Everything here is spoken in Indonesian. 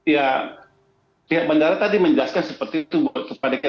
ya pihak bandara tadi menjelaskan seperti itu buat kepanikan